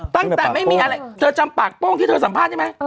ตั้งแต่ไม่มีอะไรเธอจำปากโป้งที่เธอสัมภาษณ์ได้ไหม